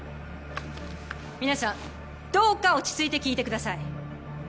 皆さんどうか落ち着いて聞いてください！